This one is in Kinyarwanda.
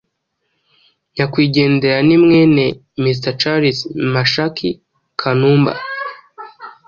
Nyakwigendera ni mwene Mr Charles Meshack Kanumba